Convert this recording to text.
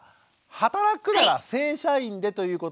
働くなら正社員でということ。